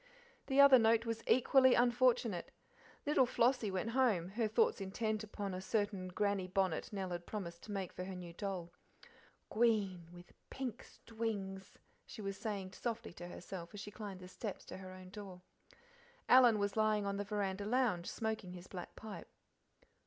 The other note was equally unfortunate. Little Flossie went home, her thoughts intent upon a certain Grannie bonnet Nell had promised to make for her new doll. "Gween with pink stwings," she was saying softly to herself as she climbed the steps to her own door. Alan was lying on the veranda lounge, smoking his black pipe.